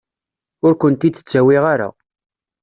Ur kent-id-ttawiɣ ara.